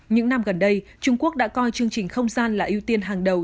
những năm gần đây trung quốc đã coi chương trình không gian là ưu tiên hàng đầu